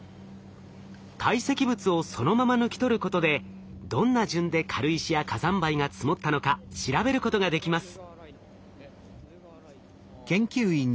堆積物をそのまま抜き取ることでどんな順で軽石や火山灰が積もったのか調べることができます。